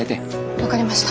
分かりました。